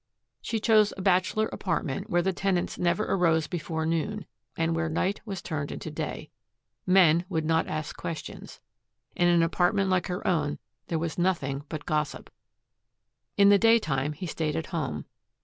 She chose a bachelor apartment where the tenants never arose before noon and where night was turned into day. Men would not ask questions. In an apartment like her own there was nothing but gossip. In the daytime he stayed at home.